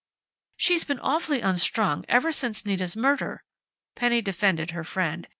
"She's been awfully unstrung ever since Nita's murder," Penny defended her friend.